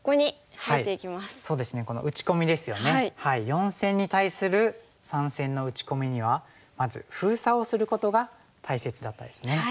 ４線に対する３線の打ち込みにはまず封鎖をすることが大切だったですね。